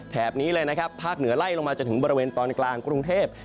นี้เลยนะครับภาคเหนือไล่ลงมาจนถึงบริเวณตอนกลางกรุงเทพ